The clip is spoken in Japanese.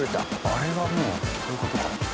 あれはもうそういう事か。